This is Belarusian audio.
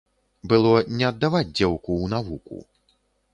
Было не аддаваць дзеўку ў навуку.